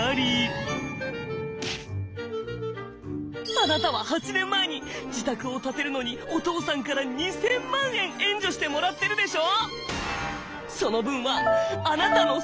「あなたは８年前に自宅を建てるのにお父さんから２，０００万円援助してもらってるでしょ！」。